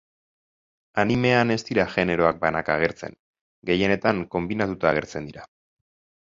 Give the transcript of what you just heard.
Animean ez dira generoak banaka agertzen, gehienetan konbinatuta agertzen dira.